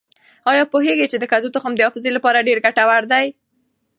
آیا پوهېږئ چې د کدو تخم د حافظې لپاره ډېر ګټور دی؟